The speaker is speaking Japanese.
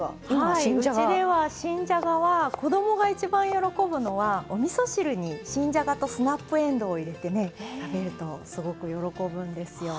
はいうちでは新じゃがは子供が一番喜ぶのはおみそ汁に新じゃがとスナップエンドウを入れてね食べるとすごく喜ぶんですよ。